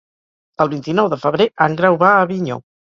El vint-i-nou de febrer en Grau va a Avinyó.